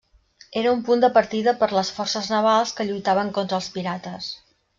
Era un punt de partida per les forces navals que lluitaven contra els pirates.